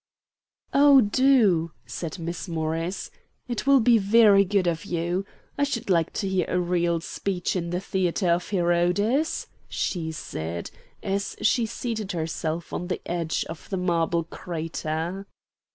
"Oh, do!" said Miss Morris. "It will be very good of you. I should like to hear a real speech in the theatre of Herodes," she said, as she seated herself on the edge of the marble crater.